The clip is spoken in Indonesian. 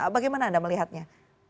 bagaimana anda melihatnya